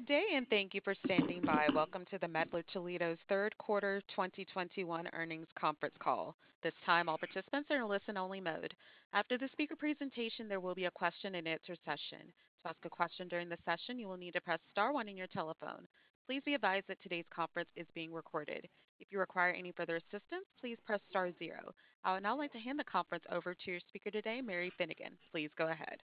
Good day, and thank you for standing by. Welcome to the Mettler-Toledo's third quarter 2021 earnings conference call. This time all participants are in listen-only mode. After the speaker presentation, there will be a question-and-answer session. To ask a question during the session, you will need to press star one on your telephone. Please be advised that today's conference is being recorded. If you require any further assistance, please press star zero. I would now like to hand the conference over to your speaker today, Mary Finnegan. Please go ahead.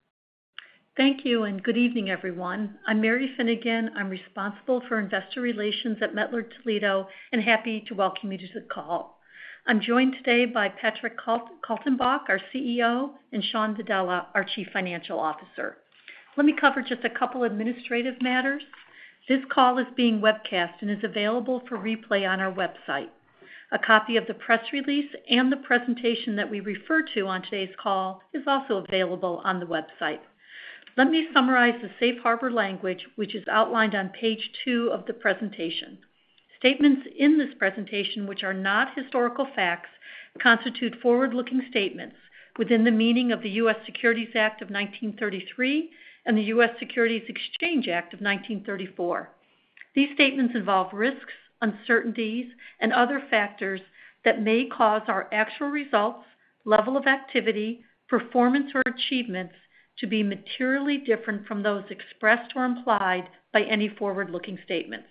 Thank you and good evening, everyone. I'm Mary Finnegan. I'm responsible for investor relations at Mettler-Toledo and happy to welcome you to the call. I'm joined today by Patrick Kaltenbach, our CEO, and Shawn Vadala, our Chief Financial Officer. Let me cover just a couple administrative matters. This call is being webcast and is available for replay on our website. A copy of the press release and the presentation that we refer to on today's call is also available on the website. Let me summarize the safe harbor language, which is outlined on page two of the presentation. Statements in this presentation which are not historical facts, constitute forward-looking statements within the meaning of the US Securities Act of 1933 and the US Securities Exchange Act of 1934. These statements involve risks, uncertainties, and other factors that may cause our actual results, level of activity, performance or achievements to be materially different from those expressed or implied by any forward-looking statements.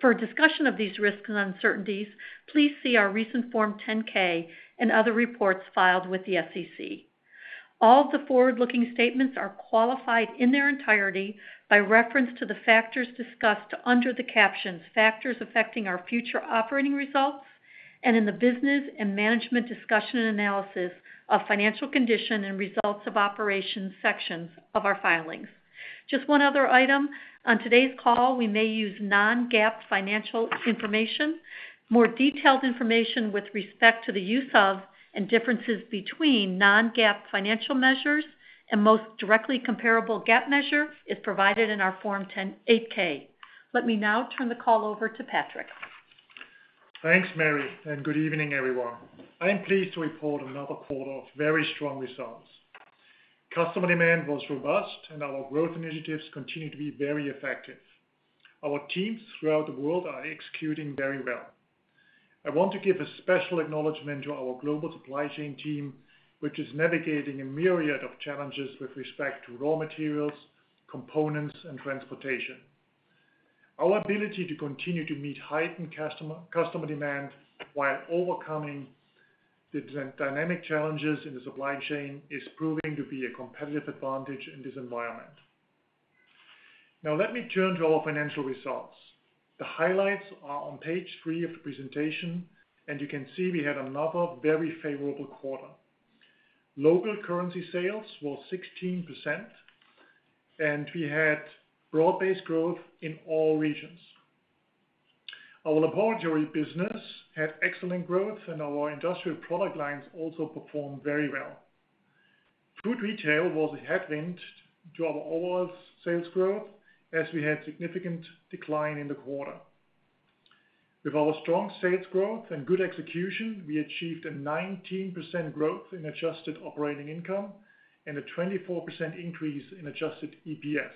For a discussion of these risks and uncertainties, please see our recent Form 10-K and other reports filed with the SEC. All of the forward-looking statements are qualified in their entirety by reference to the factors discussed under the captions, Factors Affecting Our Future Operating Results, and in the Business Risk Factors and Management Discussion and Analysis of Financial Condition and Results of Operations sections of our filings. Just one other item. On today's call, we may use non-GAAP financial information. More detailed information with respect to the use of, and differences between non-GAAP financial measures and most directly comparable GAAP measure is provided in our Form 8-K. Let me now turn the call over to Patrick. Thanks, Mary, and good evening, everyone. I am pleased to report another quarter of very strong results. Customer demand was robust and our growth initiatives continue to be very effective. Our teams throughout the world are executing very well. I want to give a special acknowledgement to our global supply chain team, which is navigating a myriad of challenges with respect to raw materials, components, and transportation. Our ability to continue to meet heightened customer demand while overcoming the dynamic challenges in the supply chain is proving to be a competitive advantage in this environment. Now let me turn to our financial results. The highlights are on page 3 of the presentation, and you can see we had another very favorable quarter. Local currency sales was 16%, and we had broad-based growth in all regions. Our Laboratory business had excellent growth, and our Industrial product lines also performed very well. Food Retail was a headwind to our overall sales growth as we had significant decline in the quarter. With our strong sales growth and good execution, we achieved a 19% growth in adjusted operating income and a 24% increase in adjusted EPS.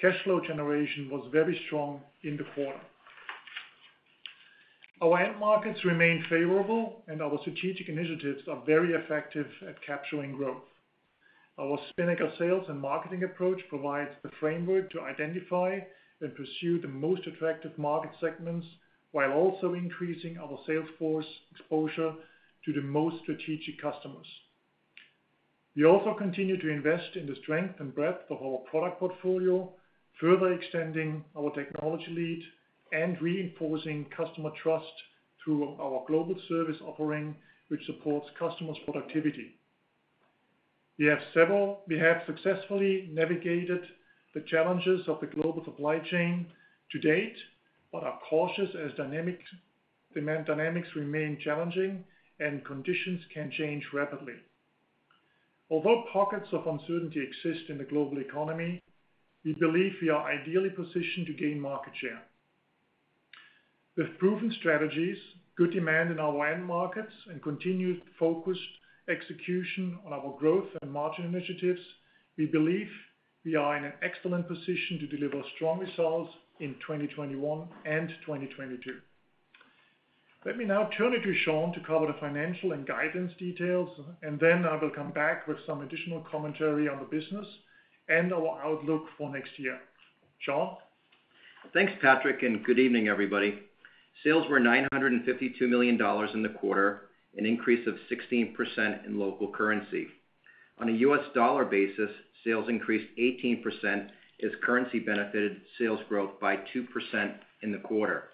Cash flow generation was very strong in the quarter. Our end markets remain favorable and our strategic initiatives are very effective at capturing growth. Our Spinnaker sales and marketing approach provides the framework to identify and pursue the most attractive market segments while also increasing our sales force exposure to the most strategic customers. We also continue to invest in the strength and breadth of our product portfolio, further extending our technology lead and reinforcing customer trust through our global service offering, which supports customers' productivity. We have successfully navigated the challenges of the global supply chain to date, but are cautious as demand dynamics remain challenging and conditions can change rapidly. Although pockets of uncertainty exist in the global economy, we believe we are ideally positioned to gain market share. With proven strategies, good demand in our end markets, and continued focused execution on our growth and margin initiatives, we believe we are in an excellent position to deliver strong results in 2021 and 2022. Let me now turn it to Shawn to cover the financial and guidance details, and then I will come back with some additional commentary on the business and our outlook for next year. Shawn. Thanks, Patrick, and good evening, everybody. Sales were $952 million in the quarter, an increase of 16% in local currency. On a US dollar basis, sales increased 18% as currency benefited sales growth by 2% in the quarter.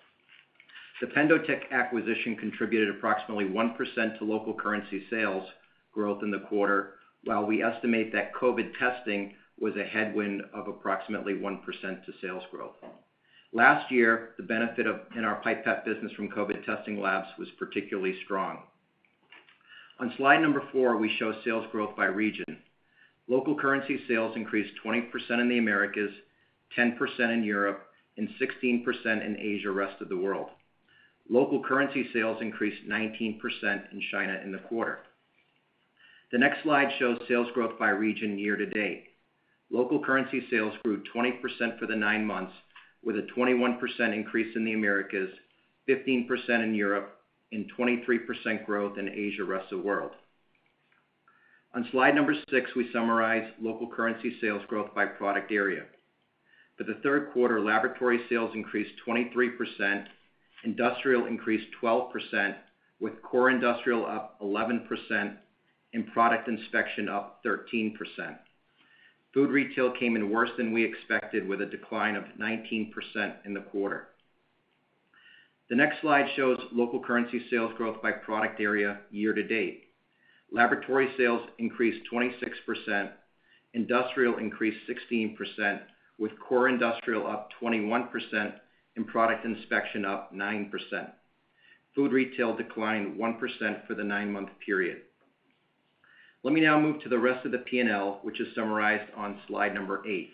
The PendoTECH acquisition contributed approximately 1% to local currency sales growth in the quarter, while we estimate that COVID-19 testing was a headwind of approximately 1% to sales growth. Last year, the benefit in our pipette business from COVID-19 testing labs was particularly strong. On slide 4, we show sales growth by region. Local currency sales increased 20% in the Americas, 10% in Europe, and 16% in Asia, rest of the world. Local currency sales increased 19% in China in the quarter. The next slide shows sales growth by region year to date. Local currency sales grew 20% for the nine months, with a 21% increase in the Americas, 15% in Europe, and 23% growth in Asia, rest of world. On slide 6, we summarize local currency sales growth by product area. For the third quarter, Laboratory sales increased 23%, Industrial increased 12%, with Core Industrial up 11%, and Product Inspection up 13%. Food Retail came in worse than we expected, with a decline of 19% in the quarter. The next slide shows local currency sales growth by product area year to date. Laboratory sales increased 26%, Industrial increased 16%, with Core Industrial up 21%, and Product Inspection up 9%. Food Retail declined 1% for the nine-month period. Let me now move to the rest of the P&L, which is summarized on slide 8.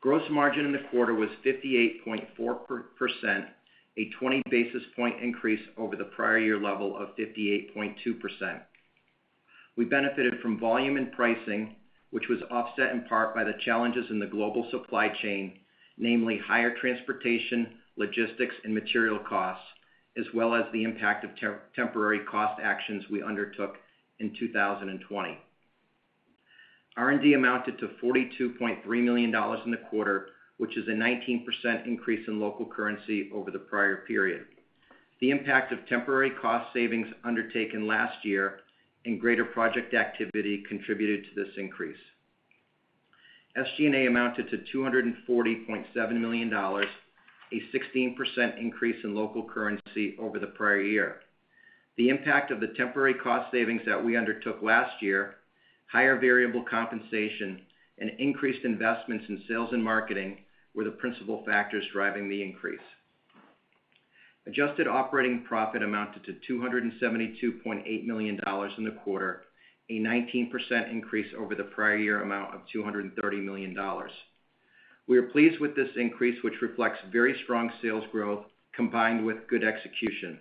Gross margin in the quarter was 58.4%, a 20 basis point increase over the prior year level of 58.2%. We benefited from volume and pricing, which was offset in part by the challenges in the global supply chain, namely higher transportation, logistics, and material costs, as well as the impact of temporary cost actions we undertook in 2020. R&D amounted to $42.3 million in the quarter, which is a 19% increase in local currency over the prior period. The impact of temporary cost savings undertaken last year and greater project activity contributed to this increase. SG&A amounted to $240.7 million, a 16% increase in local currency over the prior year. The impact of the temporary cost savings that we undertook last year, higher variable compensation, and increased investments in sales and marketing were the principal factors driving the increase. Adjusted operating profit amounted to $272.8 million in the quarter, a 19% increase over the prior year amount of $230 million. We are pleased with this increase, which reflects very strong sales growth combined with good execution.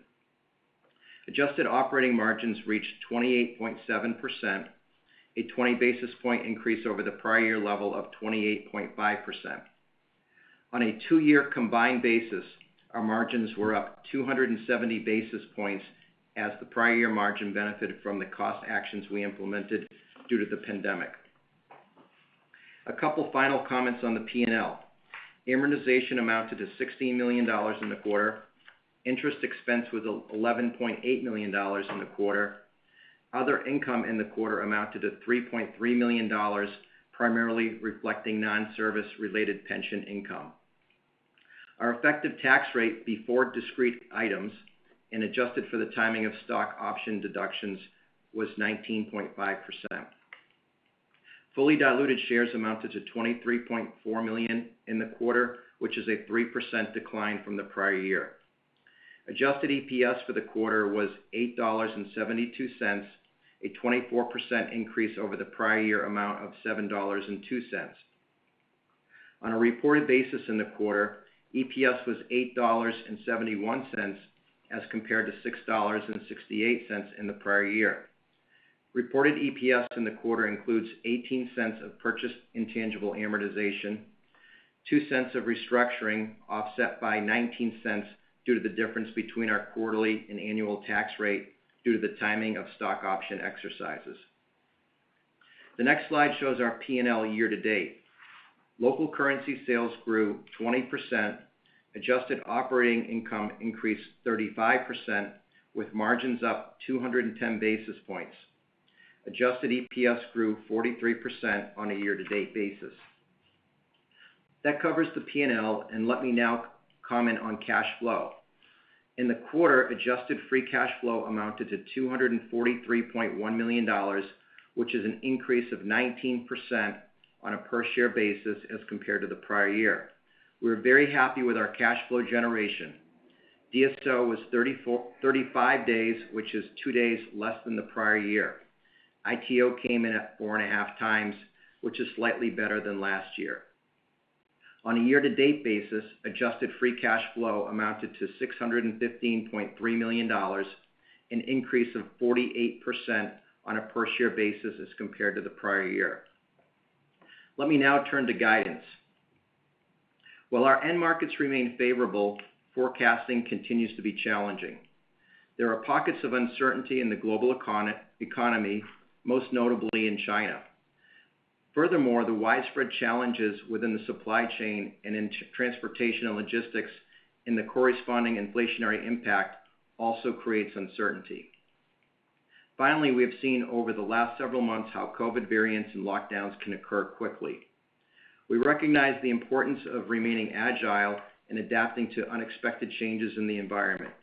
Adjusted operating margins reached 28.7%, a 20 basis point increase over the prior year level of 28.5%. On a two-year combined basis, our margins were up 270 basis points as the prior year margin benefited from the cost actions we implemented due to the pandemic. A couple final comments on the P&L. Amortization amounted to $16 million in the quarter. Interest expense was $11.8 million in the quarter. Other income in the quarter amounted to $3.3 million, primarily reflecting non-service related pension income. Our effective tax rate before discrete items and adjusted for the timing of stock option deductions was 19.5%. Fully diluted shares amounted to 23.4 million in the quarter, which is a 3% decline from the prior year. Adjusted EPS for the quarter was $8.72, a 24% increase over the prior year amount of $7.02. On a reported basis in the quarter, EPS was $8.71 as compared to $6.68 in the prior year. Reported EPS in the quarter includes $0.18 of purchased intangible amortization, $0.02 of restructuring offset by $0.19 due to the difference between our quarterly and annual tax rate due to the timing of stock option exercises. The next slide shows our P&L year to date. Local currency sales grew 20%. Adjusted operating income increased 35% with margins up 210 basis points. Adjusted EPS grew 43% on a year-to-date basis. That covers the P&L, and let me now comment on cash flow. In the quarter, adjusted free cash flow amounted to $243.1 million, which is an increase of 19% on a per share basis as compared to the prior year. We're very happy with our cash flow generation. DSO was 35 days, which is 2 days less than the prior year. ITO came in at 4.5x, which is slightly better than last year. On a year-to-date basis, adjusted free cash flow amounted to $615.3 million, an increase of 48% on a per share basis as compared to the prior year. Let me now turn to guidance. While our end markets remain favorable, forecasting continues to be challenging. There are pockets of uncertainty in the global economy, most notably in China. Furthermore, the widespread challenges within the supply chain and in transportation and logistics, and the corresponding inflationary impact also creates uncertainty. Finally, we have seen over the last several months how COVID variants and lockdowns can occur quickly. We recognize the importance of remaining agile and adapting to unexpected changes in the environment.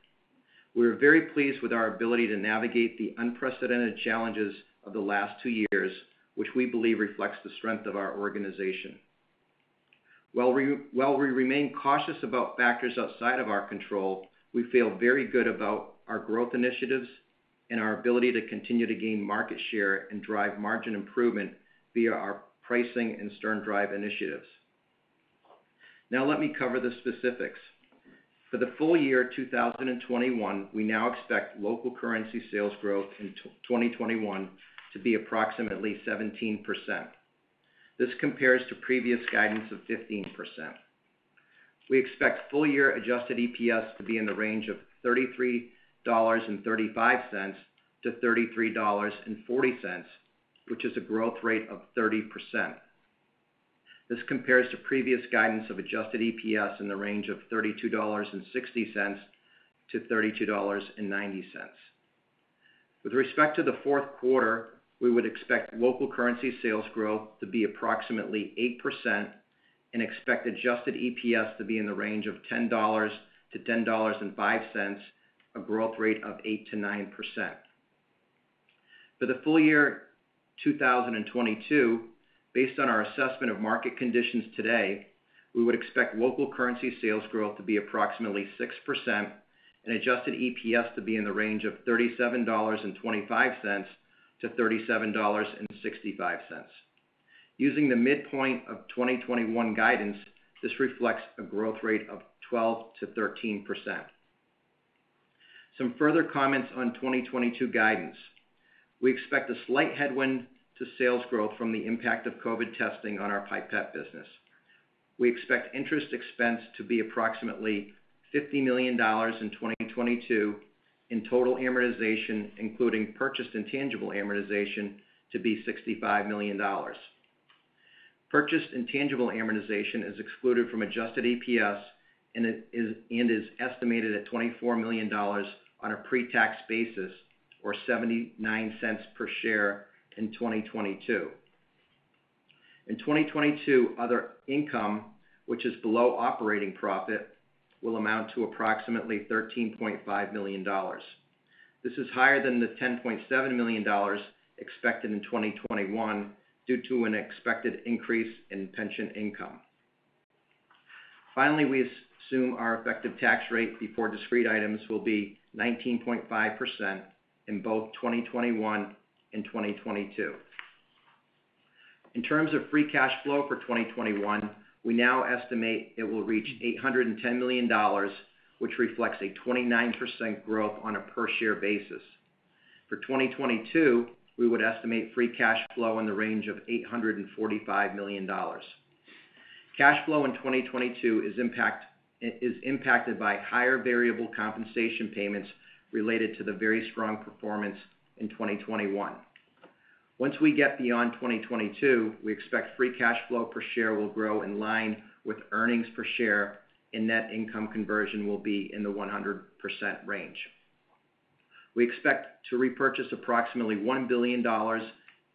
We are very pleased with our ability to navigate the unprecedented challenges of the last two years, which we believe reflects the strength of our organization. While we remain cautious about factors outside of our control, we feel very good about our growth initiatives and our ability to continue to gain market share and drive margin improvement via our pricing and SternDrive initiatives. Now let me cover the specifics. For the full year 2021, we now expect local currency sales growth in 2021 to be approximately 17%. This compares to previous guidance of 15%. We expect full-year adjusted EPS to be in the range of $33.35-$33.40, which is a growth rate of 30%. This compares to previous guidance of adjusted EPS in the range of $32.60-$32.90. With respect to the fourth quarter, we would expect local currency sales growth to be approximately 8% and expect adjusted EPS to be in the range of $10-$10.05, a growth rate of 8% to 9%. For the full year 2022, based on our assessment of market conditions today, we would expect local currency sales growth to be approximately 6% and adjusted EPS to be in the range of $37.25-$37.65. Using the midpoint of 2021 guidance, this reflects a growth rate of 12% to 13%. Some further comments on 2022 guidance. We expect a slight headwind to sales growth from the impact of COVID testing on our pipette business. We expect interest expense to be approximately $50 million in 2022, and total amortization, including purchased intangible amortization to be $65 million. Purchased intangible amortization is excluded from adjusted EPS, and it is estimated at $24 million on a pre-tax basis or $0.79 per share in 2022. In 2022, other income, which is below operating profit, will amount to approximately $13.5 million. This is higher than the $10.7 million expected in 2021 due to an expected increase in pension income. Finally, we assume our effective tax rate before discrete items will be 19.5% in both 2021 and 2022. In terms of free cash flow for 2021, we now estimate it will reach $810 million, which reflects a 29% growth on a per share basis. For 2022, we would estimate free cash flow in the range of $845 million. Cash flow in 2022 is impacted by higher variable compensation payments related to the very strong performance in 2021. Once we get beyond 2022, we expect free cash flow per share will grow in line with earnings per share, and net income conversion will be in the 100% range. We expect to repurchase approximately $1 billion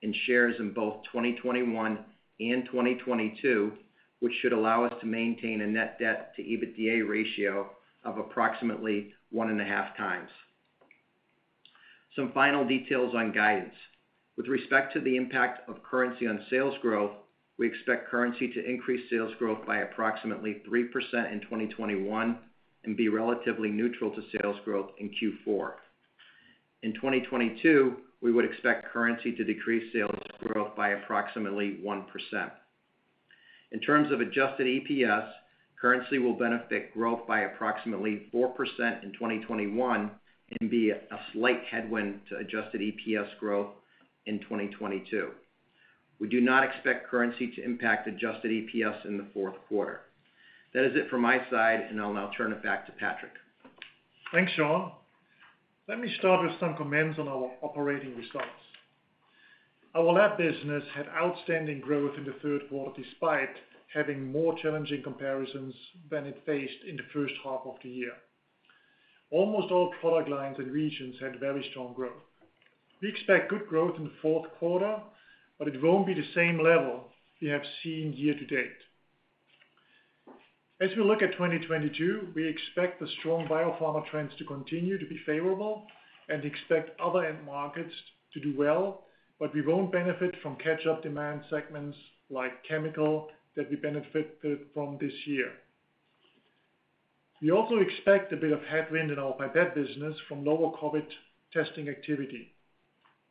in shares in both 2021 and 2022, which should allow us to maintain a net debt to EBITDA ratio of approximately 1.5x. Some final details on guidance. With respect to the impact of currency on sales growth, we expect currency to increase sales growth by approximately 3% in 2021 and be relatively neutral to sales growth in Q4. In 2022, we would expect currency to decrease sales growth by approximately 1%. In terms of adjusted EPS, currency will benefit growth by approximately 4% in 2021 and be a slight headwind to adjusted EPS growth in 2022. We do not expect currency to impact adjusted EPS in the fourth quarter. That is it from my side, and I'll now turn it back to Patrick. Thanks, Shawn. Let me start with some comments on our operating results. Our lab business had outstanding growth in the third quarter, despite having more challenging comparisons than it faced in the first half of the year. Almost all product lines and regions had very strong growth. We expect good growth in the fourth quarter, but it won't be the same level we have seen year-to-date. As we look at 2022, we expect the strong biopharma trends to continue to be favorable and expect other end markets to do well, but we won't benefit from catch-up demand segments like chemical that we benefited from this year. We also expect a bit of headwind in our pipette business from lower COVID testing activity.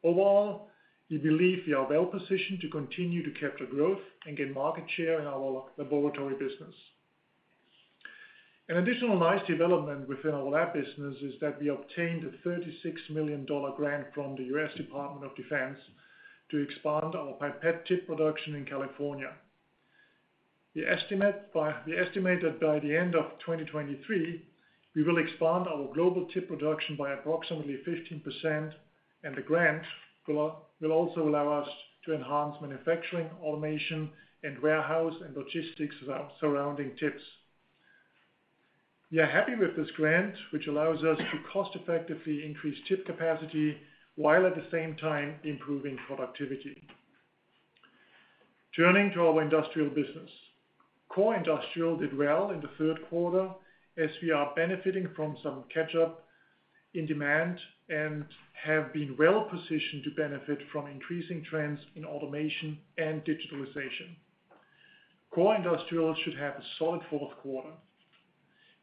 Overall, we believe we are well positioned to continue to capture growth and gain market share in our laboratory business. An additional nice development within our lab business is that we obtained a $36 million grant from the U.S. Department of Defense to expand our pipette tip production in California. We estimate that by the end of 2023, we will expand our global tip production by approximately 15%, and the grant will also allow us to enhance manufacturing, automation, and warehouse and logistics surrounding tips. We are happy with this grant, which allows us to cost-effectively increase tip capacity while at the same time improving productivity. Turning to our industrial business. Core Industrial did well in the third quarter as we are benefiting from some catch-up in demand and have been well positioned to benefit from increasing trends in automation and digitalization. Core Industrial should have a solid fourth quarter.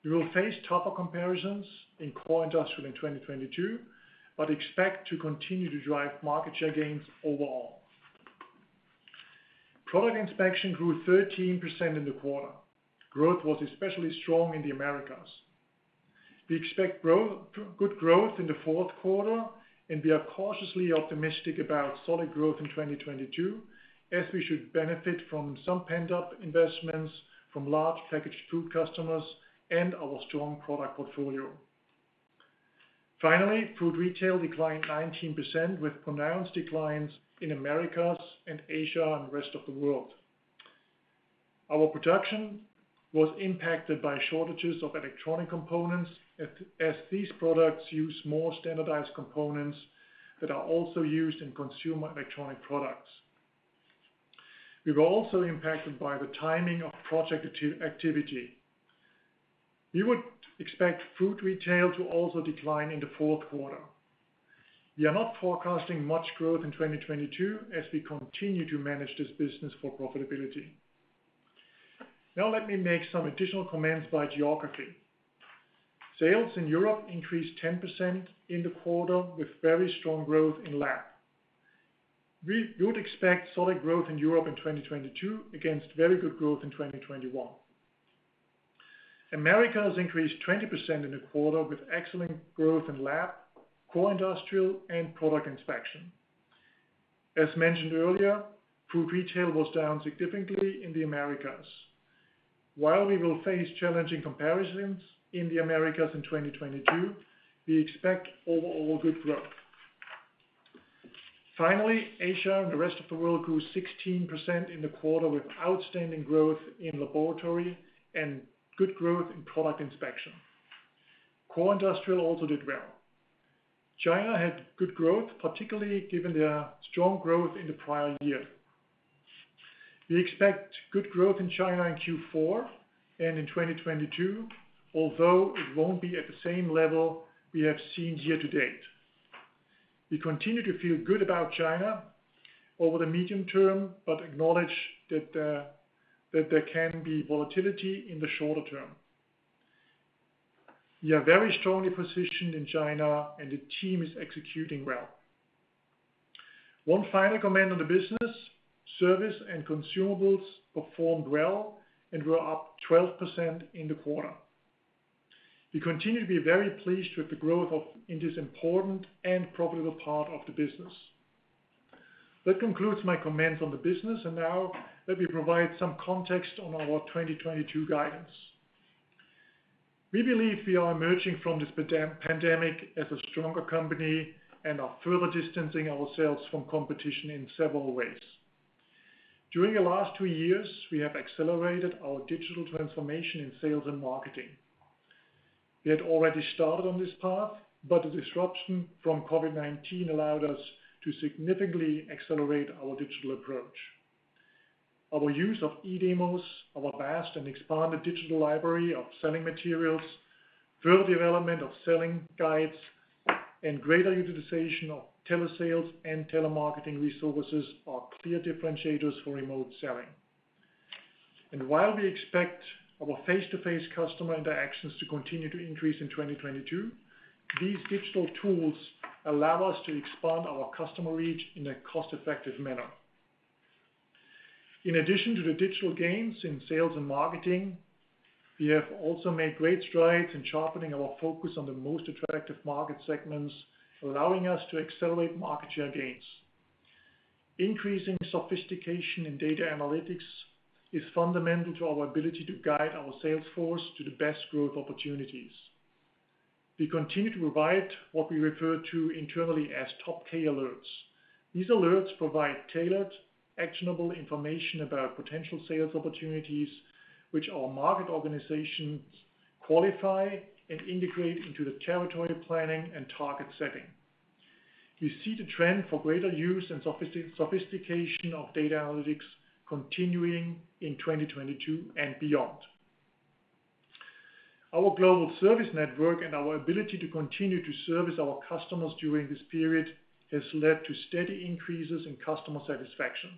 We will face tougher comparisons in Core Industrial in 2022, but expect to continue to drive market share gains overall. Product Inspection grew 13% in the quarter. Growth was especially strong in the Americas. We expect good growth in the fourth quarter, and we are cautiously optimistic about solid growth in 2022, as we should benefit from some pent-up investments from large packaged food customers and our strong product portfolio. Finally, Food Retail declined 19% with pronounced declines in Americas and Asia and rest of the world. Our production was impacted by shortages of electronic components, as these products use more standardized components that are also used in consumer electronic products. We were also impacted by the timing of project activity. We would expect Food Retail to also decline in the fourth quarter. We are not forecasting much growth in 2022 as we continue to manage this business for profitability. Now let me make some additional comments by geography. Sales in Europe increased 10% in the quarter with very strong growth in lab. We would expect solid growth in Europe in 2022 against very good growth in 2021. Americas increased 20% in the quarter with excellent growth in lab, Core Industrial, and Product Inspection. As mentioned earlier, Food Retail was down significantly in the Americas. While we will face challenging comparisons in the Americas in 2022, we expect overall good growth. Finally, Asia and the rest of the world grew 16% in the quarter with outstanding growth in laboratory and good growth in Product Inspection. Core Industrial also did well. China had good growth, particularly given their strong growth in the prior year. We expect good growth in China in Q4 and in 2022, although it won't be at the same level we have seen year to date. We continue to feel good about China over the medium term, but acknowledge that there can be volatility in the shorter term. We are very strongly positioned in China and the team is executing well. One final comment on the business, service and consumables performed well and were up 12% in the quarter. We continue to be very pleased with the growth of in this important and profitable part of the business. That concludes my comments on the business, and now let me provide some context on our 2022 guidance. We believe we are emerging from this pandemic as a stronger company and are further distancing ourselves from competition in several ways. During the last two years, we have accelerated our digital transformation in sales and marketing. We had already started on this path, but the disruption from COVID-19 allowed us to significantly accelerate our digital approach. Our use of eDemos, our vast and expanded digital library of selling materials, further development of selling guides, and greater utilization of telesales and telemarketing resources are clear differentiators for remote selling. While we expect our face-to-face customer interactions to continue to increase in 2022, these digital tools allow us to expand our customer reach in a cost-effective manner. In addition to the digital gains in sales and marketing, we have also made great strides in sharpening our focus on the most attractive market segments, allowing us to accelerate market share gains. Increasing sophistication in data analytics is fundamental to our ability to guide our sales force to the best growth opportunities. We continue to provide what we refer to internally as top K alerts. These alerts provide tailored, actionable information about potential sales opportunities, which our market organizations qualify and integrate into the territory planning and target setting. We see the trend for greater use and sophistication of data analytics continuing in 2022 and beyond. Our global service network and our ability to continue to service our customers during this period has led to steady increases in customer satisfaction.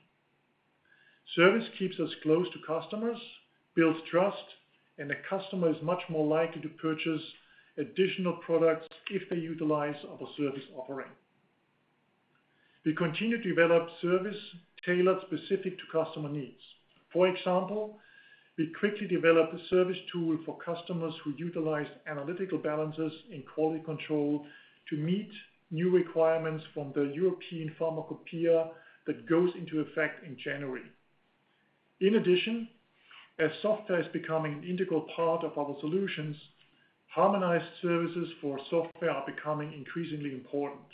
Service keeps us close to customers, builds trust, and the customer is much more likely to purchase additional products if they utilize our service offering. We continue to develop service tailored specific to customer needs. For example, we quickly developed a service tool for customers who utilize analytical balances in quality control to meet new requirements from the European Pharmacopoeia that goes into effect in January. In addition, as software is becoming an integral part of our solutions, harmonized services for software are becoming increasingly important.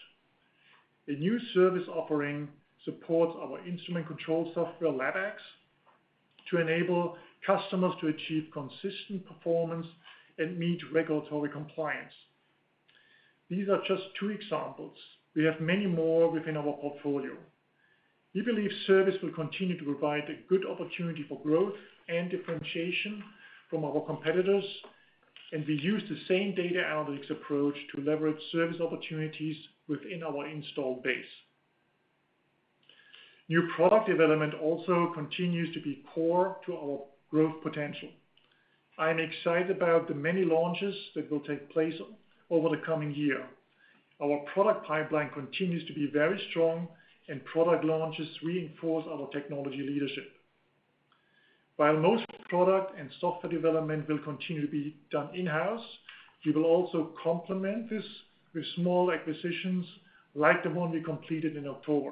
A new service offering supports our instrument control software, LabX, to enable customers to achieve consistent performance and meet regulatory compliance. These are just two examples. We have many more within our portfolio. We believe service will continue to provide a good opportunity for growth and differentiation from our competitors, and we use the same data analytics approach to leverage service opportunities within our installed base. New product development also continues to be core to our growth potential. I am excited about the many launches that will take place over the coming year. Our product pipeline continues to be very strong, and product launches reinforce our technology leadership. While most product and software development will continue to be done in-house, we will also complement this with small acquisitions like the one we completed in October.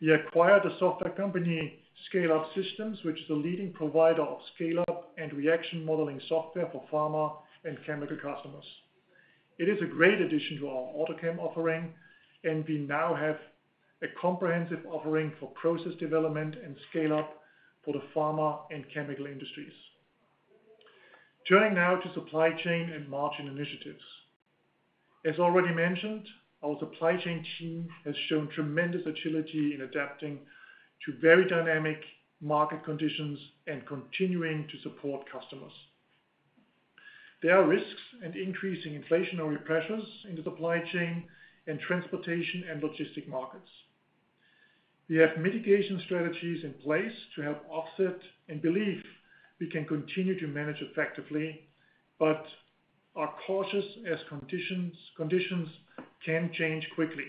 We acquired a software company, Scale-up Systems, which is the leading provider of scale-up and reaction modeling software for pharma and chemical customers. It is a great addition to our AutoChem offering, and we now have a comprehensive offering for process development and scale up for the pharma and chemical industries. Turning now to supply chain and margin initiatives. As already mentioned, our supply chain team has shown tremendous agility in adapting to very dynamic market conditions and continuing to support customers. There are risks and increasing inflationary pressures in the supply chain and transportation and logistics markets. We have mitigation strategies in place to help offset and believe we can continue to manage effectively, but are cautious as conditions can change quickly.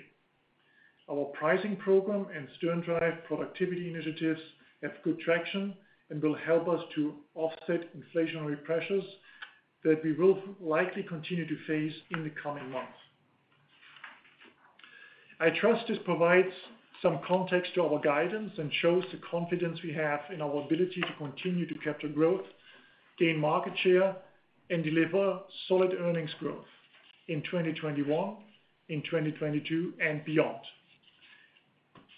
Our pricing program and SternDrive productivity initiatives have good traction and will help us to offset inflationary pressures that we will likely continue to face in the coming months. I trust this provides some context to our guidance and shows the confidence we have in our ability to continue to capture growth, gain market share, and deliver solid earnings growth in 2021, in 2022, and beyond.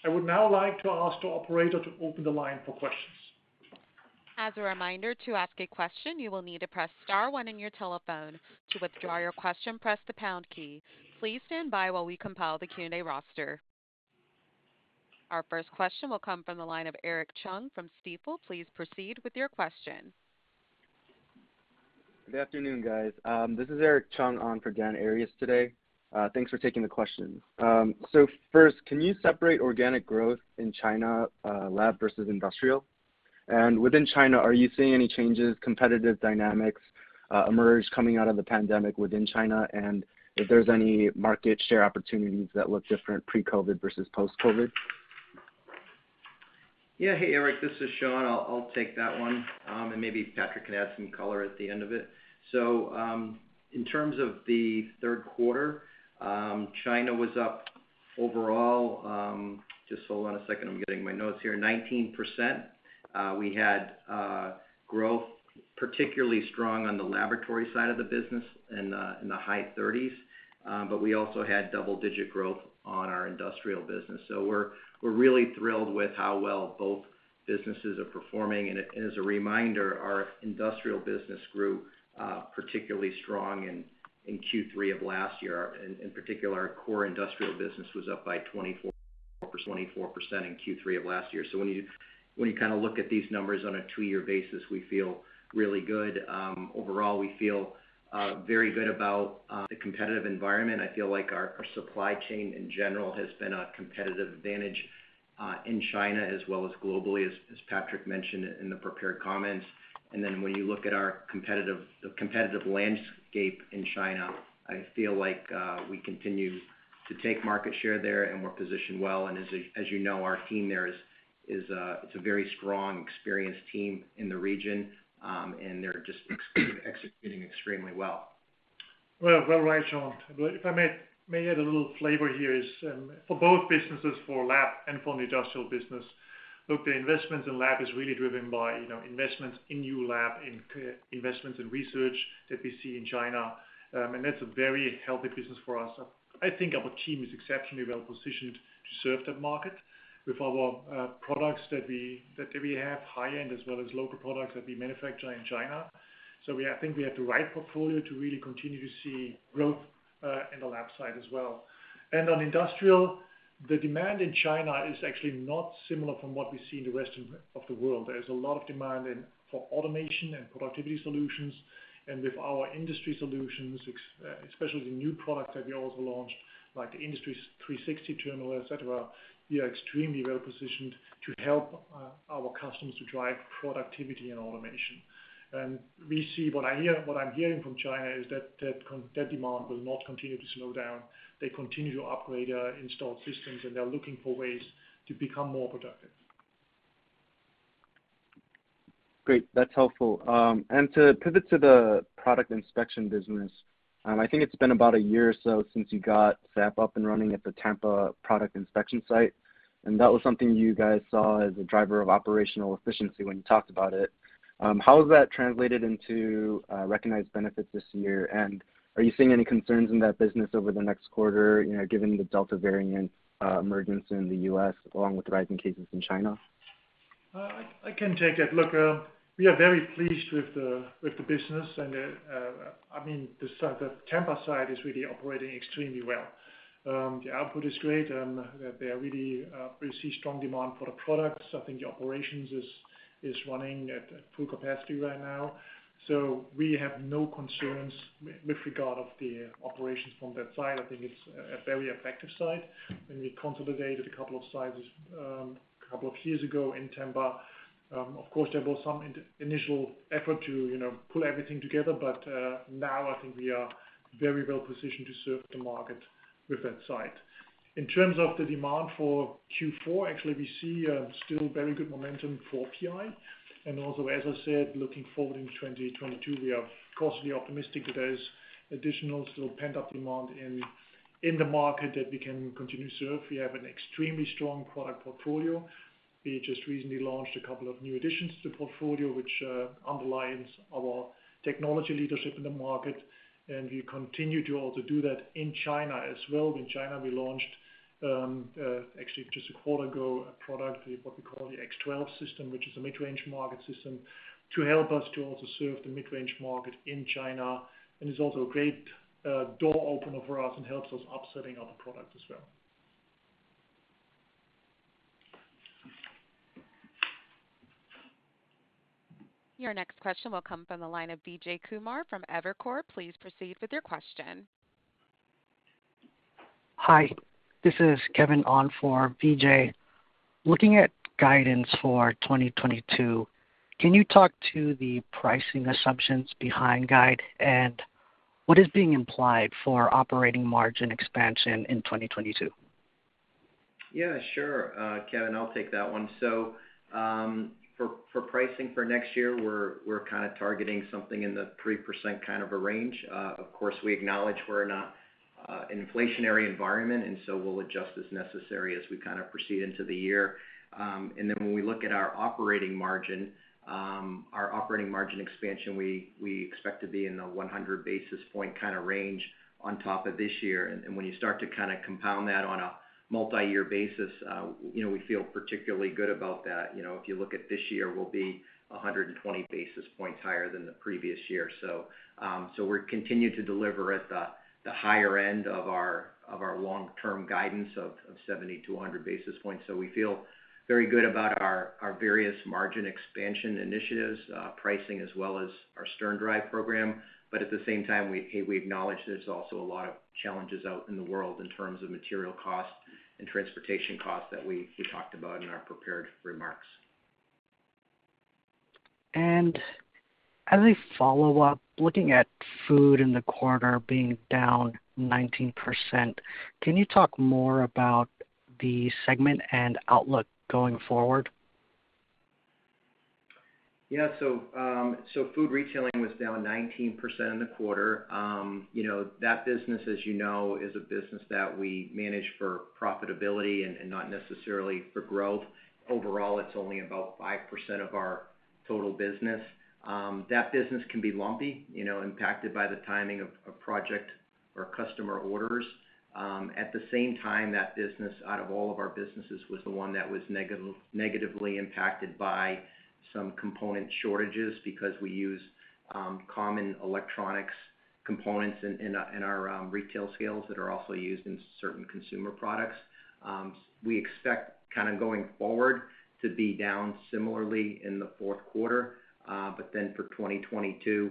I would now like to ask the operator to open the line for questions. As a reminder, to ask a question, you will need to press star one in your telephone. To withdraw your question, press the pound key. Please stand by while we compile the Q&A roster. Our first question will come from the line of Eric Chung from Stifel. Please proceed with your question. Good afternoon, guys. This is Eric Chung on for Dan Arias today. Thanks for taking the question. First, can you separate organic growth in China, lab versus industrial? Within China, are you seeing any changes, competitive dynamics, emerge coming out of the pandemic within China? If there's any market share opportunities that look different pre-COVID versus post-COVID? Yeah. Hey, Eric, this is Shawn. I'll take that one, and maybe Patrick can add some color at the end of it. In terms of the third quarter, China was up overall, just hold on a second, I'm getting my notes here, 19%. We had growth particularly strong on the laboratory side of the business in the high 30s. We also had double-digit growth on our industrial business. We're really thrilled with how well both businesses are performing. As a reminder, our industrial business grew particularly strong in Q3 of last year. In particular, our Core Industrial business was up by 24% in Q3 of last year. When you kind of look at these numbers on a two-year basis, we feel really good. Overall, we feel very good about the competitive environment. I feel like our supply chain in general has been a competitive advantage in China as well as globally, as Patrick mentioned in the prepared comments. When you look at the competitive landscape in China, I feel like we continue to take market share there and we're positioned well. As you know, our team there is a very strong, experienced team in the region, and they're just executing extremely well. Well, right, Shawn. If I may add a little flavor here is for both businesses, for lab and for the industrial business. Look, the investment in lab is really driven by, you know, investments in new lab in investments in research that we see in China. That's a very healthy business for us. I think our team is exceptionally well-positioned to serve that market with our products that we have high-end as well as local products that we manufacture in China. I think we have the right portfolio to really continue to see growth in the lab side as well. On industrial, the demand in China is actually not similar from what we see in the rest of the world. There's a lot of demand for automation and productivity solutions. With our industry solutions, especially the new product that we also launched, like the IND360 terminal, etc., we are extremely well-positioned to help our customers to drive productivity and automation. What I'm hearing from China is that demand will not continue to slow down. They continue to upgrade our installed systems, and they're looking for ways to become more productive. Great. That's helpful. To pivot to the Product Inspection business, I think it's been about a year or so since you got SAP up and running at the Tampa Product Inspection site, and that was something you guys saw as a driver of operational efficiency when you talked about it. How has that translated into recognized benefits this year? Are you seeing any concerns in that business over the next quarter, you know, given the Delta variant emergence in the U.S., along with rising cases in China? I can take it. Look, we are very pleased with the business, and I mean, the Tampa site is really operating extremely well. The output is great. They are really, we see strong demand for the products. I think the operations is running at full capacity right now. We have no concerns with regard to the operations from that site. I think it's a very effective site. When we consolidated a couple of sites, couple of years ago in Tampa, of course, there was some initial effort to, you know, pull everything together. Now I think we are very well positioned to serve the market with that site. In terms of the demand for Q4, actually we see still very good momentum for PI. As I said, looking forward into 2022, we are cautiously optimistic that there's additional still pent-up demand in the market that we can continue to serve. We have an extremely strong product portfolio. We just recently launched a couple of new additions to the portfolio, which underlines our technology leadership in the market, and we continue to also do that in China as well. In China, we launched actually just a quarter ago a product, what we call the X12 system, which is a mid-range market system to help us to also serve the mid-range market in China, and is also a great door opener for us and helps us upselling other products as well. Your next question will come from the line of Vijay Kumar from Evercore. Please proceed with your question. Hi, this is Kevin on for Vijay. Looking at guidance for 2022, can you talk to the pricing assumptions behind guide? What is being implied for operating margin expansion in 2022? Yeah, sure, Kevin, I'll take that one. For pricing for next year, we're kind of targeting something in the 3% kind of a range. Of course, we acknowledge we're in an inflationary environment, and we'll adjust as necessary as we kind of proceed into the year. When we look at our operating margin, our operating margin expansion, we expect to be in the 100 basis point kind of range on top of this year. When you start to kind of compound that on a multi-year basis, you know, we feel particularly good about that. You know, if you look at this year, we'll be 120 basis points higher than the previous year. We've continued to deliver at the higher end of our long-term guidance of 70-100 basis points. We feel very good about our various margin expansion initiatives, pricing as well as our SternDrive program. At the same time, we acknowledge there's also a lot of challenges out in the world in terms of material costs and transportation costs that we talked about in our prepared remarks. As a follow-up, looking at food in the quarter being down 19%, can you talk more about the segment and outlook going forward? Yeah. Food Retail was down 19% in the quarter. You know, that business, as you know, is a business that we manage for profitability and not necessarily for growth. Overall, it's only about 5% of our total business. That business can be lumpy, you know, impacted by the timing of project or customer orders. At the same time, that business, out of all of our businesses, was the one that was negatively impacted by some component shortages because we use common electronics components in our retail scales that are also used in certain consumer products. We expect kind of going forward to be down similarly in the fourth quarter. But then for 2022,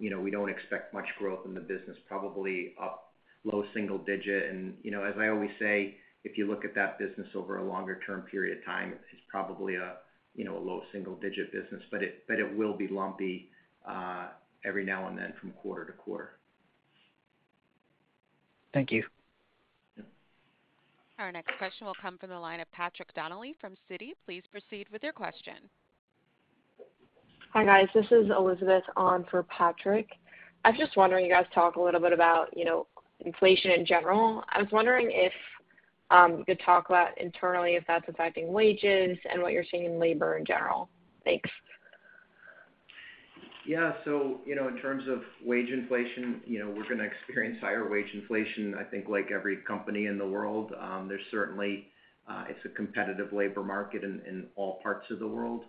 you know, we don't expect much growth in the business, probably up low single digit. You know, as I always say, if you look at that business over a longer-term period of time, it's probably a, you know, a low single digit business, but it will be lumpy every now and then from quarter to quarter. Thank you. Yeah. Our next question will come from the line of Patrick Donnelly from Citi. Please proceed with your question. Hi, guys. This is Elizabeth on for Patrick. I was just wondering, you guys talk a little bit about, you know, inflation in general. I was wondering if you could talk about internally if that's affecting wages and what you're seeing in labor in general. Thanks. Yeah. You know, in terms of wage inflation, you know, we're gonna experience higher wage inflation, I think, like every company in the world. There's certainly, it's a competitive labor market in all parts of the world.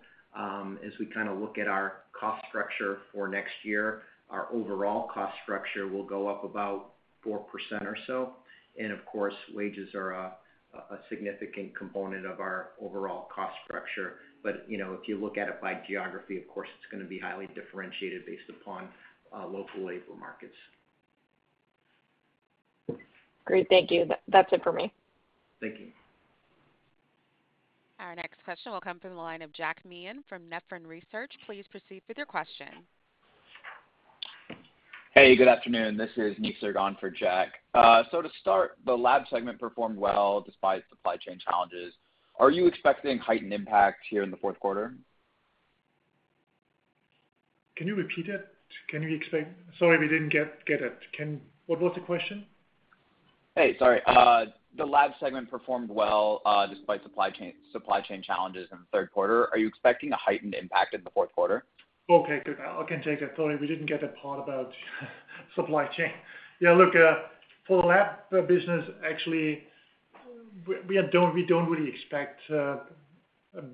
As we kind of look at our cost structure for next year, our overall cost structure will go up about 4% or so. Of course, wages are a significant component of our overall cost structure. You know, if you look at it by geography, of course, it's gonna be highly differentiated based upon local labor markets. Great. Thank you. That's it for me. Thank you. Our next question will come from the line of Jack Meehan from Nephron Research. Please proceed with your question. Hey, good afternoon. This is Nisarg on for Jack. To start, the lab segment performed well despite supply chain challenges, are you expecting heightened impact here in the fourth quarter? Can you repeat it? Can we expect -- sorry we didn't get it. Can -- what was the question? Sorry. The lab segment performed well despite supply chain challenges in the third quarter. Are you expecting a heightened impact in the fourth quarter? Yeah, look, for the lab business, actually we don't really expect a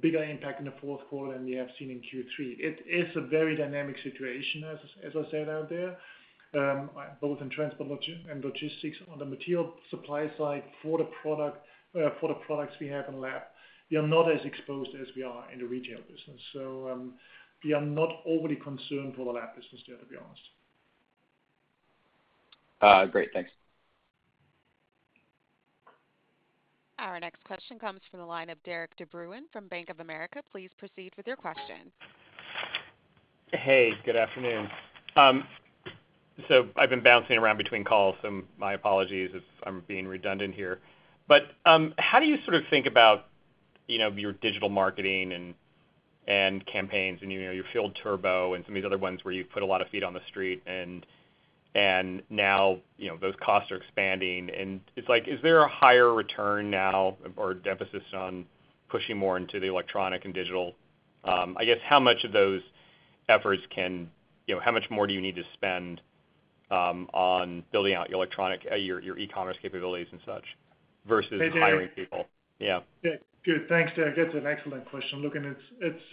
bigger impact in the fourth quarter than we have seen in Q3. It is a very dynamic situation, as I said out there, both in transport and logistics. On the material supply side for the products we have in lab, we are not as exposed as we are in the retail business. We are not overly concerned for the lab business there, to be honest. Great. Thanks. Our next question comes from the line of Derik De Bruin from Bank of America. Please proceed with your question. Hey, good afternoon. I've been bouncing around between calls, so my apologies if I'm being redundant here. How do you sort of think about, you know, your digital marketing and campaigns and, you know, your Field Turbo and some of these other ones where you put a lot of feet on the street and now, you know, those costs are expanding. It's like, is there a higher return now or emphasis on pushing more into the electronic and digital? I guess, you know, how much more do you need to spend on building out your electronic, your e-commerce capabilities and such versus- Hey, Derik. Hiring people? Yeah. Yeah. Good. Thanks, Derik. That's an excellent question. Look, it's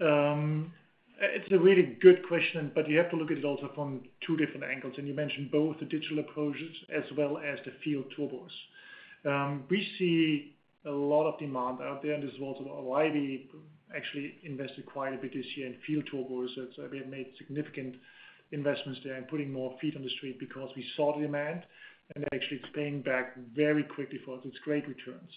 a really good question, but you have to look at it also from two different angles. You mentioned both the digital approaches as well as the Field Turbo. We see a lot of demand out there, and this is also why we actually invested quite a bit this year in Field Turbo. It's, we have made significant investments there and putting more feet on the street because we saw the demand, and actually it's paying back very quickly for us. It's great returns.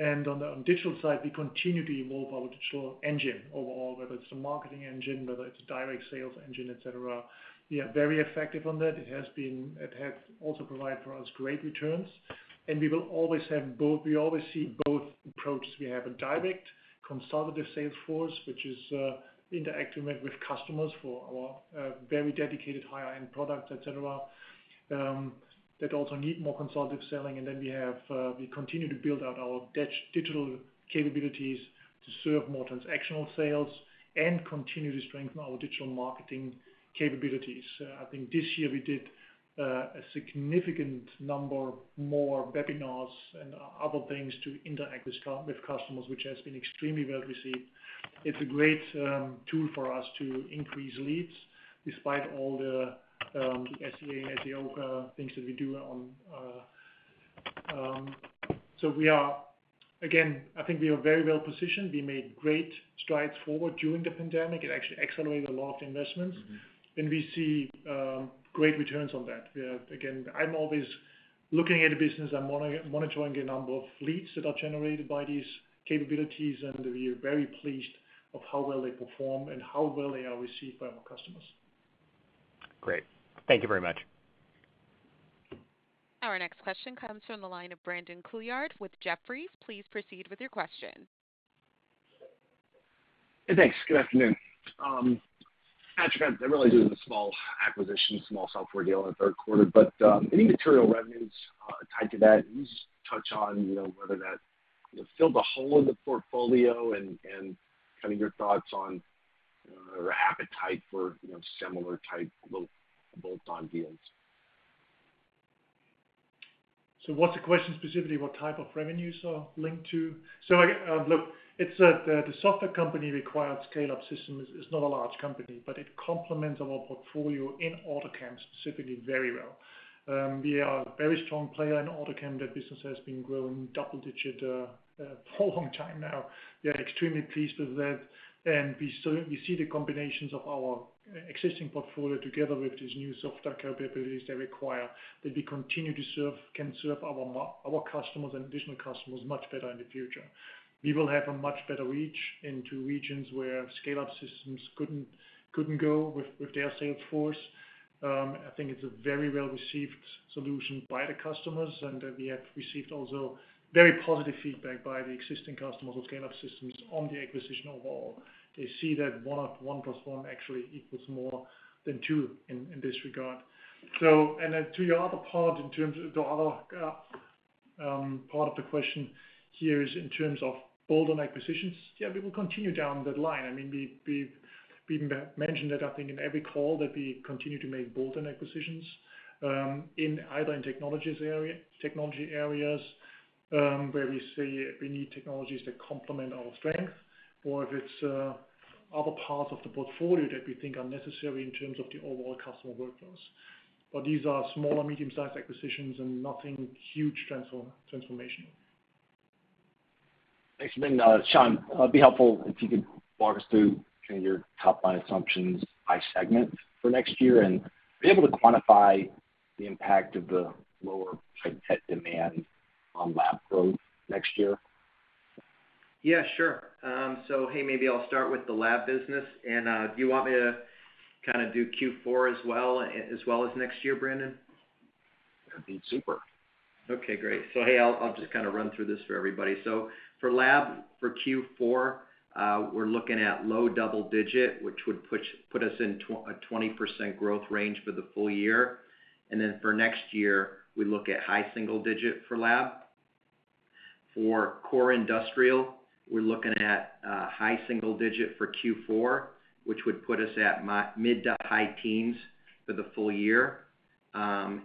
On the digital side, we continue to evolve our digital engine overall, whether it's a marketing engine, whether it's a direct sales engine, et cetera. We are very effective on that. It has also provided for us great returns. We will always have both. We always see both approaches. We have a direct consultative sales force, which is interacting with customers for our very dedicated higher-end products, et cetera, that also need more consultative selling. We continue to build out our digital capabilities to serve more transactional sales and continue to strengthen our digital marketing capabilities. I think this year we did a significant number more webinars and other things to interact with customers, which has been extremely well received. It's a great tool for us to increase leads despite all the SEA, SEO things that we do. We are, again, I think we are very well positioned. We made great strides forward during the pandemic. It actually accelerated a lot of investments. Mm-hmm. We see great returns on that. Again, I'm always looking at the business. I'm monitoring the number of leads that are generated by these capabilities, and we are very pleased of how well they perform and how well they are received by our customers. Great. Thank you very much. Our next question comes from the line of Brandon Couillard with Jefferies. Please proceed with your question. Hey, thanks. Good afternoon. Patrick, that really was a small acquisition, small software deal in the third quarter. Any material revenues tied to that? Can you just touch on, you know, whether that filled a hole in the portfolio? Kind of your thoughts on appetite for, you know, similar type little bolt-on deals. What's the question specifically? What type of revenues are linked to? It's the software company acquired Scale-up Systems. It's not a large company, but it complements our portfolio in AutoChem specifically very well. We are a very strong player in AutoChem. That business has been growing double-digit for a long time now. We are extremely pleased with that. We certainly see the combinations of our existing portfolio together with these new software capabilities they acquired, that we can serve our customers and additional customers much better in the future. We will have a much better reach into regions where Scale-up Systems couldn't go with their sales force. I think it's a very well-received solution by the customers, and we have received also very positive feedback by the existing customers of Scale-up Systems on the acquisition overall. They see that 1+1 actually equals more than two in this regard. To your other part, in terms of the other part of the question here is in terms of bolt-on acquisitions. Yeah, we will continue down that line. I mean, we've mentioned that, I think, in every call that we continue to make bolt-on acquisitions, in either technology areas, where we see we need technologies that complement our strength, or if it's other parts of the portfolio that we think are necessary in terms of the overall customer workflows. These are small or medium-sized acquisitions and nothing huge transformational. Thanks, Patrick. Shawn, it'd be helpful if you could walk us through kind of your top-line assumptions by segment for next year. Are you able to quantify the impact of the lower demand on lab growth next year? Yeah, sure. Hey, maybe I'll start with the lab business. Do you want me to kinda do Q4 as well as next year, Brandon? That'd be super. Okay, great. Hey, I'll just kinda run through this for everybody. For Lab, for Q4, we're looking at low double-digit, which would put us in a 20% growth range for the full year. Then for next year, we look at high single-digit for Lab. For Core Industrial, we're looking at high single-digit for Q4, which would put us at mid- to high-teens for the full year.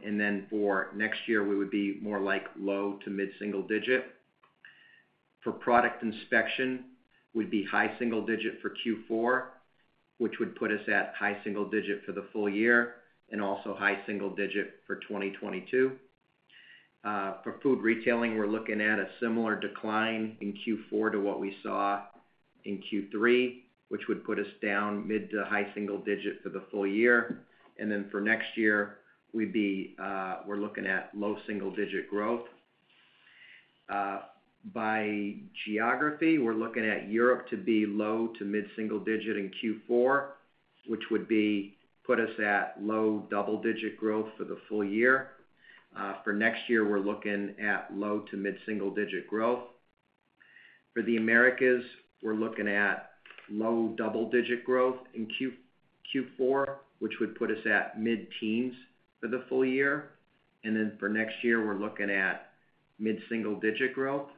Then for next year, we would be more like low- to mid-single-digit. For Product Inspection, we'd be high single-digit for Q4, which would put us at high single-digit for the full year, and also high single-digit for 2022. For Food Retail, we're looking at a similar decline in Q4 to what we saw in Q3, which would put us down mid- to high-single-digit for the full year. For next year, we're looking at low-single-digit growth. By geography, we're looking at Europe to be low- to mid-single-digit in Q4, which would put us at low-double-digit growth for the full year. For next year, we're looking at low- to mid-single-digit growth. For the Americas, we're looking at low-double-digit growth in Q4, which would put us at mid-teens for the full year. For next year, we're looking at mid-single-digit growth.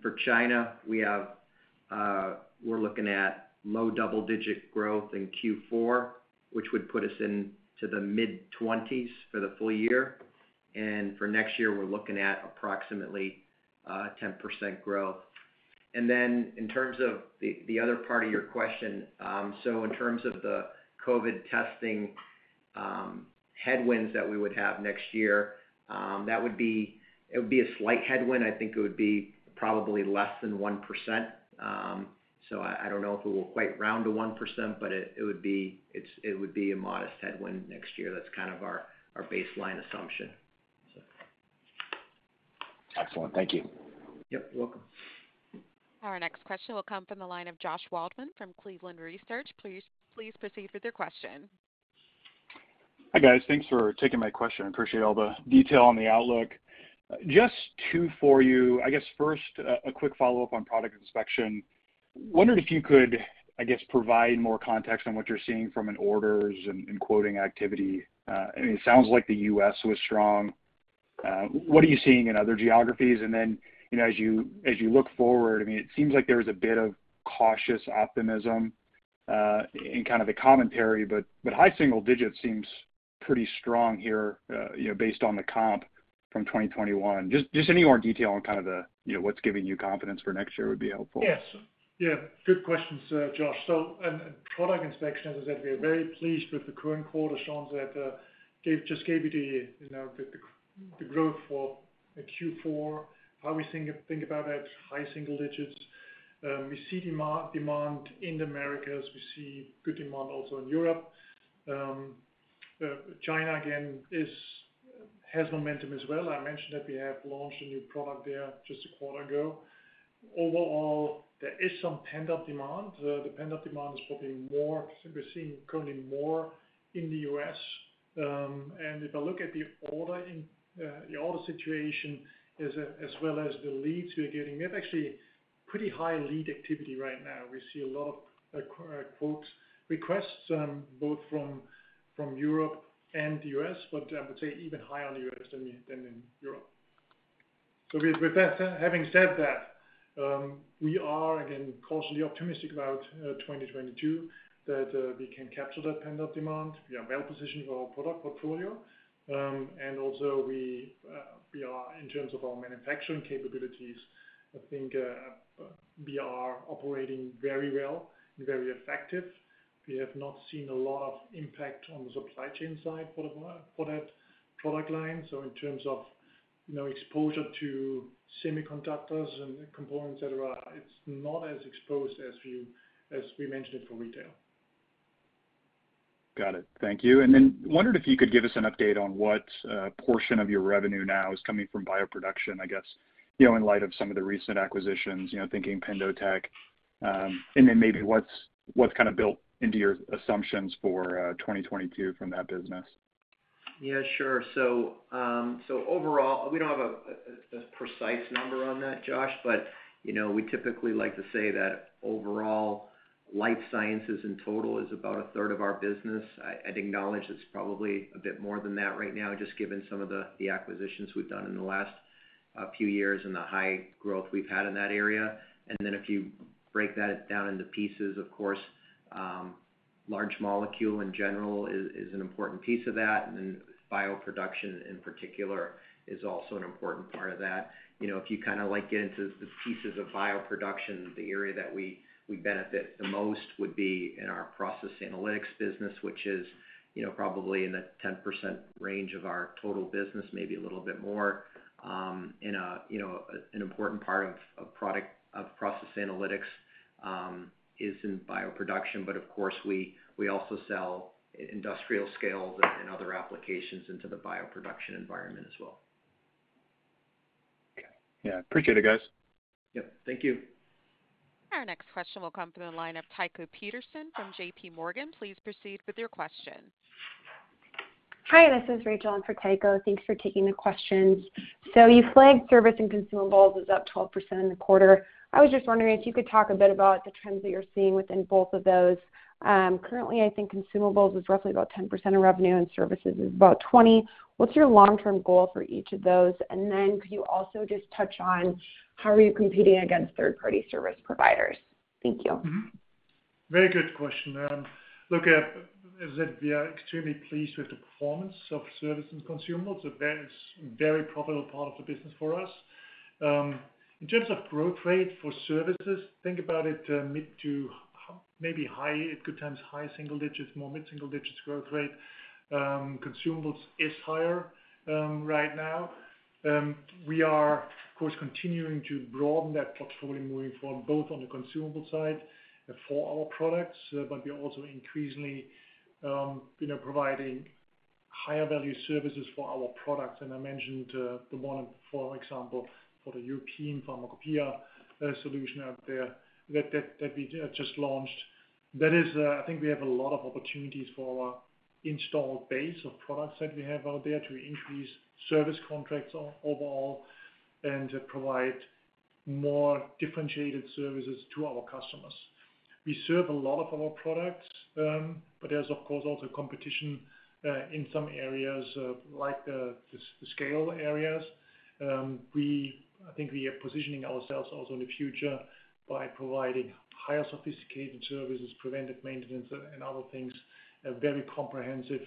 For China, we're looking at low-double-digit growth in Q4, which would put us into the mid-20s for the full year. For next year, we're looking at approximately 10% growth. Then in terms of the other part of your question, in terms of the COVID testing headwinds that we would have next year, that would be a slight headwind. I think it would be probably less than 1%. I don't know if we will quite round to 1%, but it would be a modest headwind next year. That's kind of our baseline assumption. Excellent. Thank you. Yep, you're welcome. Our next question will come from the line of Josh Waldman from Cleveland Research. Please proceed with your question. Hi, guys. Thanks for taking my question. I appreciate all the detail on the outlook. Just two for you. I guess first, a quick follow-up on Product Inspection. Wondered if you could, I guess, provide more context on what you're seeing from an orders and quoting activity. I mean, it sounds like the U.S. was strong. What are you seeing in other geographies? And then, you know, as you look forward, I mean, it seems like there is a bit of cautious optimism in kind of the commentary, but high single digits seems pretty strong here, you know, based on the comp from 2021. Just any more detail on kind of the, you know, what's giving you confidence for next year would be helpful. Yes. Yeah, good question, sir, Josh. On product inspection, as I said, we are very pleased with the current quarter, Shawn, that just gave you the growth for Q4, how we think about it, high single digits. We see demand in the Americas. We see good demand also in Europe. China again has momentum as well. I mentioned that we have launched a new product there just a quarter ago. Overall, there is some pent-up demand. The pent-up demand is probably more. We're seeing currently more in the U.S. If I look at the order situation as well as the leads we're getting, we have actually pretty high lead activity right now. We see a lot of quote requests both from Europe and the U.S., but I would say even higher in the U.S. than in Europe. With that, having said that, we are again cautiously optimistic about 2022 that we can capture that pent-up demand. We are well-positioned with our product portfolio. Also we are in terms of our manufacturing capabilities, I think, we are operating very well and very effective. We have not seen a lot of impact on the supply chain side for that product line. In terms of, you know, exposure to semiconductors and components, et cetera, it's not as exposed as we mentioned it for retail. Got it. Thank you. I wondered if you could give us an update on what portion of your revenue now is coming from bioproduction, I guess, you know, in light of some of the recent acquisitions, you know, thinking PendoTECH. Maybe what's kind of built into your assumptions for 2022 from that business. Yeah, sure. Overall, we don't have a precise number on that, Josh. You know, we typically like to say that overall life sciences in total is about 1/3 of our business. I'd acknowledge it's probably a bit more than that right now, just given some of the acquisitions we've done in the last few years and the high growth we've had in that area. Then if you break that down into pieces, of course, large molecule in general is an important piece of that. Bioproduction in particular is also an important part of that. You know, if you kind of like get into the pieces of bioproduction, the area that we benefit the most would be in our process analytics business, which is, you know, probably in the 10% range of our total business, maybe a little bit more. You know, an important part of process analytics is in bioproduction. Of course, we also sell industrial scales and other applications into the bioproduction environment as well. Okay. Yeah. Appreciate it, guys. Yep. Thank you. Our next question will come through the line of Tycho Peterson from JPMorgan. Please proceed with your question. Hi, this is Rachel in for Tycho. Thanks for taking the questions. You flagged service and consumables is up 12% in the quarter. I was just wondering if you could talk a bit about the trends that you're seeing within both of those. Currently, I think consumables is roughly about 10% of revenue and services is about 20%. What's your long-term goal for each of those? And then could you also just touch on how are you competing against third-party service providers? Thank you. Very good question. We are extremely pleased with the performance of services and consumables. That is very profitable part of the business for us. In terms of growth rate for services, think about it, mid- to high, maybe high at good times, high single digits, more mid-single digits growth rate. Consumables is higher, right now. We are of course continuing to broaden that portfolio moving forward, both on the consumable side and for our products. We are also increasingly, you know, providing higher value services for our products. I mentioned the one, for example, for the European Pharmacopoeia, solution out there that we just launched. That is, I think we have a lot of opportunities for our installed base of products that we have out there to increase service contracts overall and to provide more differentiated services to our customers. We serve a lot of our products, but there's of course also competition in some areas, like, the scale areas. I think we are positioning ourselves also in the future by providing higher sophisticated services, preventive maintenance and other things, a very comprehensive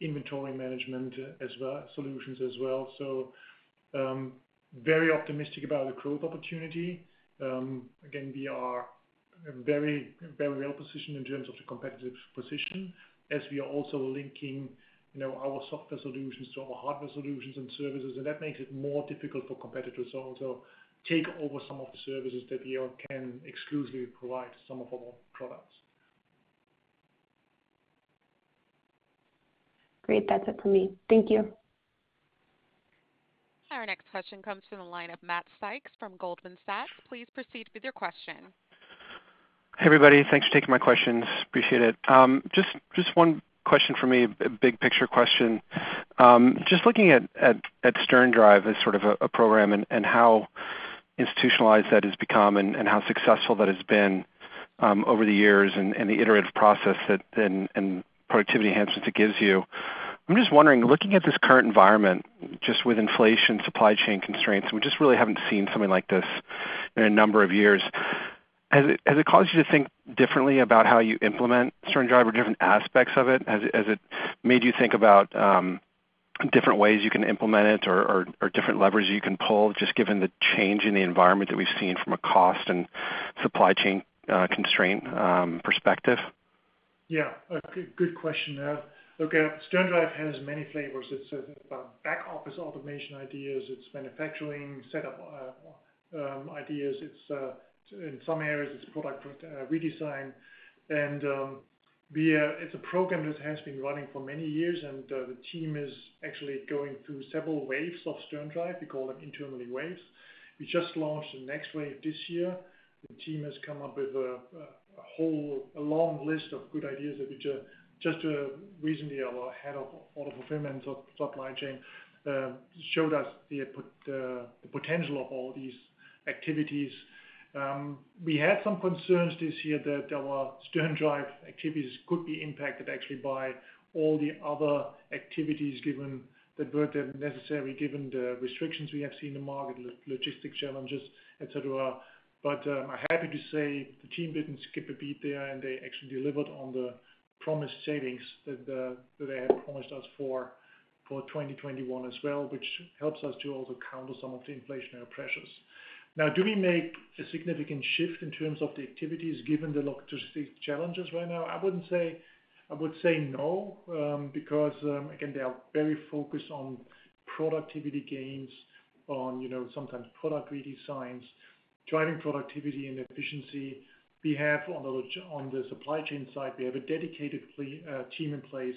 inventory management as well, solutions as well. Very optimistic about the growth opportunity. Again, we are very, very well positioned in terms of the competitive position as we are also linking, you know, our software solutions to our hardware solutions and services. That makes it more difficult for competitors to also take over some of the services that we can exclusively provide some of our products. Great. That's it for me. Thank you. Our next question comes from the line of Matt Sykes from Goldman Sachs. Please proceed with your question. Hey, everybody. Thanks for taking my questions. Appreciate it. Just one question for me, a big picture question. Just looking at SternDrive as sort of a program and how institutionalized that has become and how successful that has been over the years and the iterative process and productivity enhancements it gives you. I'm just wondering, looking at this current environment, just with inflation, supply chain constraints, and we just really haven't seen something like this in a number of years. Has it caused you to think differently about how you implement SternDrive or different aspects of it? Has it made you think about different ways you can implement it or different levers you can pull just given the change in the environment that we've seen from a cost and supply chain constraint perspective? Yeah. A good question. Look, SternDrive has many flavors. It's about back office automation ideas, it's manufacturing setup ideas. It's in some areas it's product redesign. It's a program that has been running for many years, and the team is actually going through several waves of SternDrive. We call them internally waves. We just launched the next wave this year. The team has come up with a whole long list of good ideas that we just recently our head of auto fulfillment and supply chain showed us the potential of all these activities. We had some concerns this year that our SternDrive activities could be impacted actually by all the other activities given that weren't necessary, given the restrictions we have seen in the market, logistics challenges, et cetera. I'm happy to say the team didn't skip a beat there, and they actually delivered on the promised savings that they had promised us for 2021 as well, which helps us to also counter some of the inflationary pressures. Now, do we make a significant shift in terms of the activities given the logistics challenges right now? I would say no, because again, they are very focused on productivity gains, on, you know, sometimes product redesigns, driving productivity and efficiency. On the supply chain side, we have a dedicated team in place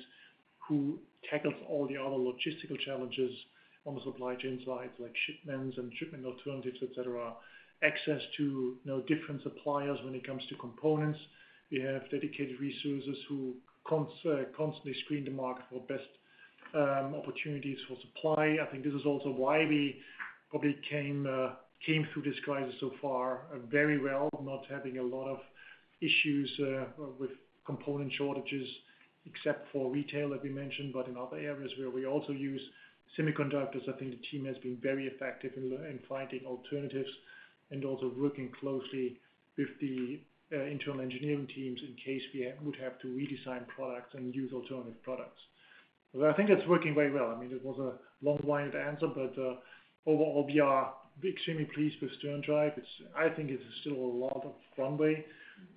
who tackles all the other logistical challenges on the supply chain side, like shipments and shipment alternatives, et cetera. Access to, you know, different suppliers when it comes to components. We have dedicated resources who constantly screen the market for best opportunities for supply. I think this is also why we probably came through this crisis so far very well, not having a lot of issues with component shortages, except for retail that we mentioned. In other areas where we also use semiconductors, I think the team has been very effective in finding alternatives and also working closely with the internal engineering teams in case we would have to redesign products and use alternative products. I think it's working very well. I mean, it was a long-winded answer, but overall, we are extremely pleased with SternDrive. It's, I think, still a lot of runway.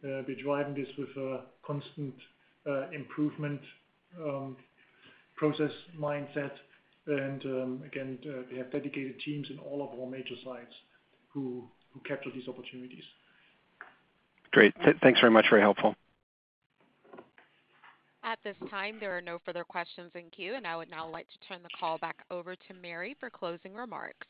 We're driving this with a constant improvement process mindset. Again, we have dedicated teams in all of our major sites who capture these opportunities. Great. Thanks very much. Very helpful. At this time, there are no further questions in queue. I would now like to turn the call back over to Mary for closing remarks.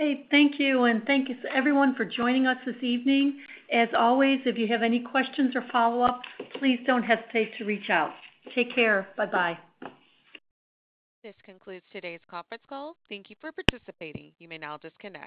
Okay, thank you, and thank you everyone for joining us this evening. As always, if you have any questions or follow-up, please don't hesitate to reach out. Take care. Bye-bye. This concludes today's conference call. Thank you for participating. You may now disconnect.